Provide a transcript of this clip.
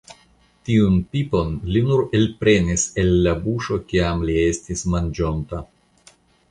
Tiun pipon li nur elprenis el la buŝo, kiam li estis manĝonta.